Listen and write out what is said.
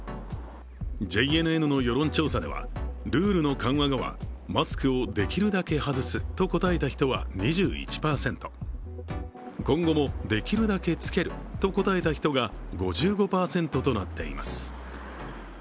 ＪＮＮの世論調査ではルールの緩和後はマスクをできるだけ外すと答えた人は２１％、今後もできるだけつけると答えた人が５５％となっています。